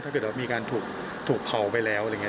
ถ้าเกิดว่ามีการถูกเผาไปแล้วอะไรอย่างนี้